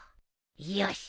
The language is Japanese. よし！